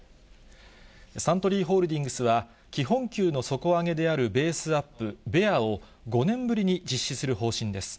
サントリーホールディングスは、基本給の底上げであるベースアップ・ベアを５年ぶりに実施する方針です。